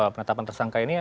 penetapan tersangka ini